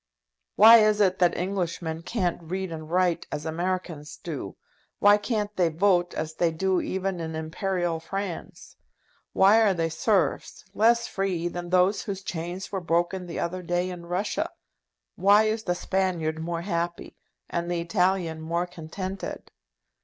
Why is it that Englishmen can't read and write as Americans do? Why can't they vote as they do even in Imperial France? Why are they serfs, less free than those whose chains were broken the other day in Russia? Why is the Spaniard more happy, and the Italian more contented?